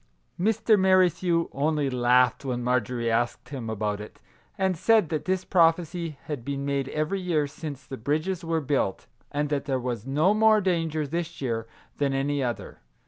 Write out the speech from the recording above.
Mr. Merri thew only laughed when Marjorie asked him about it, and said that this prophecy had been made every year since the bridges were built, and that there was no more danger this year than any other.